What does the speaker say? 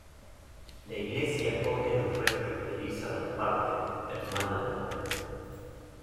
La iglesia acoge los restos de Elisa Bonaparte, hermana de Napoleón.